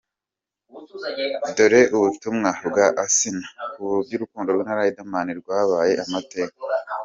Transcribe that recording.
Dore ubutumwa bwa Asnah ku by’urukundo rwe na Riderman rwabaye amateka:.